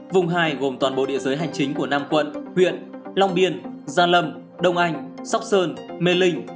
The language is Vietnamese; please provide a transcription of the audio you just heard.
vùng hai gồm toàn bộ địa giới hành chính của năm quận huyện long biên gia lâm đông anh sóc sơn mê linh